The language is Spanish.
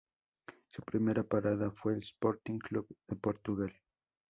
Su primera parada fue el Sporting Clube de Portugal.